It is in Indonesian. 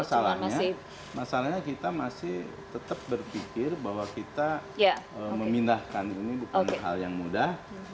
masalahnya masalahnya kita masih tetap berpikir bahwa kita memindahkan ini bukan hal yang mudah